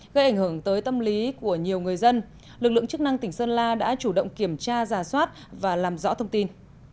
gây ảnh hưởng tới tâm lý của nhiều người dân lực lượng chức năng tỉnh sơn la đã chủ động kiểm tra giả soát và làm rõ thông tin